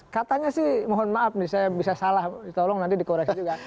katanya sih mohon maaf nih saya bisa salah tolong nanti dikoreksi juga